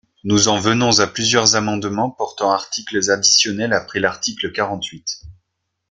Nous en venons à plusieurs amendements portant articles additionnels après l’article quarante-huit.